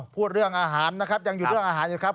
พูดเรื่องอาหารนะครับยังอยู่เรื่องอาหารอยู่ครับ